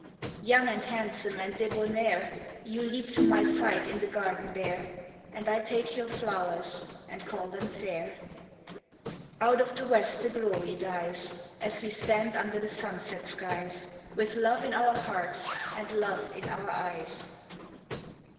Young and handsome and debonair You leap to my side in the garden there, And I take your flowers, and call them fair. Out of the west the glory dies, As we stand under the sunset skies, With love in our hearts, and love in our eyes.